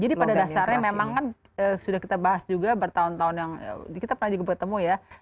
jadi pada dasarnya memang kan sudah kita bahas juga bertahun tahun yang kita pernah juga bertemu ya